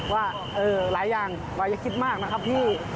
ว่าหลายอย่างเราอย่าคิดมากนะครับพี่